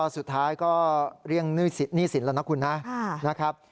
สุดท้ายก็เรื่องหนี้สินแล้วนะคุณนะครับ